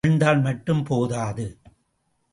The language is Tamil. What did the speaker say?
மகிழ்ந்தால் மட்டும் போதாது.